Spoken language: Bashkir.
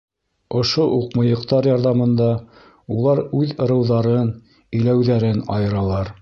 Ошо уҡ мыйыҡтар ярҙамында улар үҙ ырыуҙарын, иләүҙәрен айыралар.